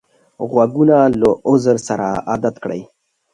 غوږونه له عذر سره عادت کړی